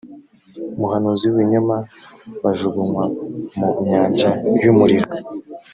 muhanuzi w ibinyoma bajugunywa mu nyanja y umuriro